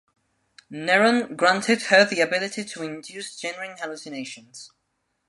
Neron granted her the ability to induce genuine hallucinations.